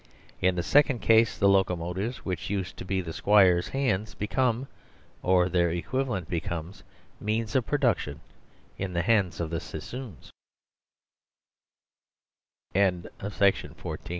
In the second case the locomotives which used to be the squire's hands become, or their equivalent becomes, means of produc tion in the hands of the Sasso